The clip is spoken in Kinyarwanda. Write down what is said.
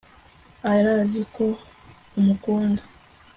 arazi ko umukunda